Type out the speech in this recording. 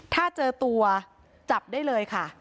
ถ้าเจอตัวจับได้เลยค่ะ